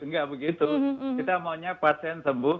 enggak begitu kita maunya pasien sembuh